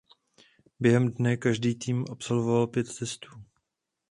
Během dne každý tým absolvoval pět testů.